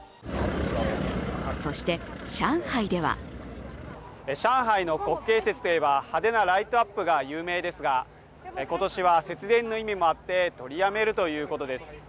そして、上海では上海の国慶節といえば、派手なライトアップが有名ですが、今年は節電の意味もあって取りやめるということです。